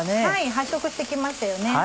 発色して来ましたよね。